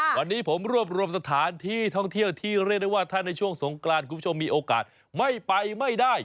วันนี้ผมรวบรวมสถานที่ท่องเที่ยวที่เรียกได้ว่าถ้าในช่วงสงกรานคุณผู้ชมมีโอกาสไม่ไปไม่ได้